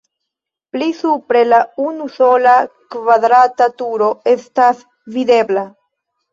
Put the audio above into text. Pli supre la unusola kvadrata turo estas videbla.